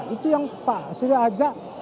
itu yang pak surya ajak